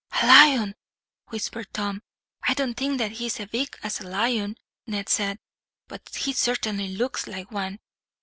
"A lion!" whispered Tom. "I don't think that he is as big as a lion," Ned said, "but he certainly looks like one.